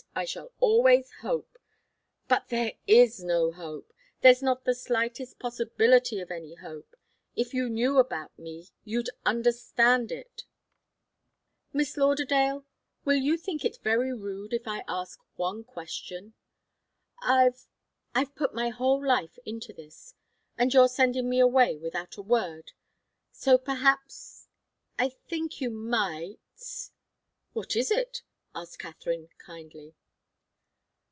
I shall always hope " "But there is no hope. There's not the slightest possibility of any hope. If you knew about me, you'd understand it." "Miss Lauderdale will you think it very rude if I ask one question? I've I've put my whole life into this and you're sending me away without a word. So perhaps I think you might " "What is it?" asked Katharine, kindly.